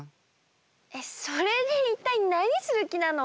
えっそれでいったいなにする気なの？